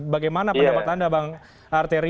bagaimana pendapat anda bang arteria ini